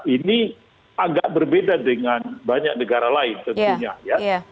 ini agak berbeda dengan banyak negara lain tentunya ya